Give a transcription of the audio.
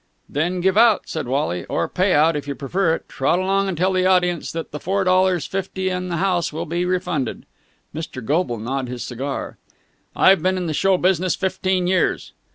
"Then give out!" said Wally. "Or pay out, if you prefer it. Trot along and tell the audience that the four dollars fifty in the house will be refunded." Mr. Goble gnawed his cigar. "I've been in the show business fifteen years...."